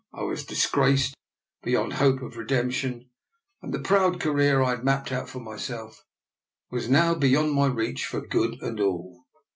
I was disgraced beyond hope of redemption, and the proud career I had mapped out for myself was now beyond my reach for good and all.